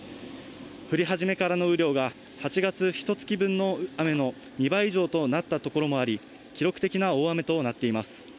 降り始めからの雨量が８月ひとつき分の雨の２倍以上となった所もあり、記録的な大雨となっています。